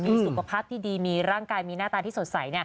มีสุขภาพที่ดีมีร่างกายมีหน้าตาที่สดใส